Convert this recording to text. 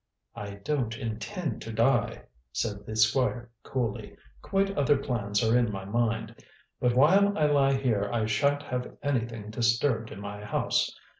"I don't intend to die," said the Squire coolly. "Quite other plans are in my mind. But while I lie here I shan't have anything disturbed in the house.